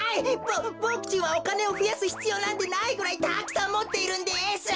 ボボクちんはおかねをふやすひつようなんてないぐらいたくさんもっているんです！